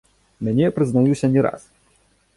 Мяне, прызнаюся, не раз.